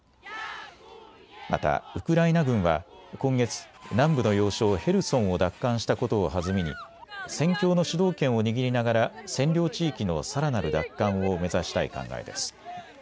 またウクライナ軍は今月、南部の要衝ヘルソンを奪還したことをはずみに戦況の主導権を握りながら占領地域のさらなる奪還を目指したい考えです。